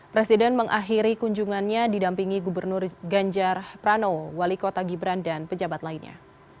presiden mengakhiri kunjungannya didampingi gubernur ganjar prano wali kota gibran dan pejabat lainnya